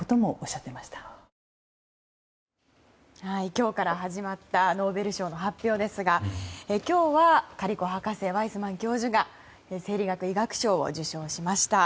今日から始まったノーベル賞の発表ですが、今日はカリコ博士、ワイスマン教授が生理学・医学賞を受賞しました。